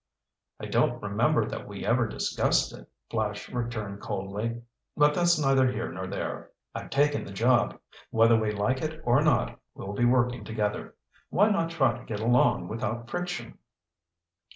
"I don't remember that we ever discussed it," Flash returned coldly. "But that's neither here nor there. I've taken the job. Whether we like it or not, we'll be working together. Why not try to get along without friction?"